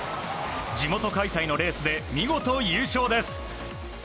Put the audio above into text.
地元開催のレースで見事優勝です！